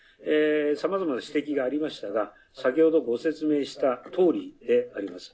さまざまな指摘がありましたが先ほどご説明したとおりであります。